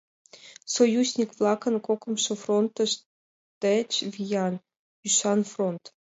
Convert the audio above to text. Союзник-влакын «кокымшо фронтышт» деч виян, ӱшан фронт!